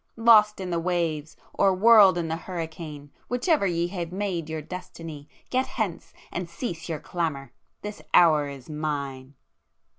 Lost in the waves, or whirled in the hurricane, whichever ye have made your destiny, get hence and cease your clamour! This hour is Mine!"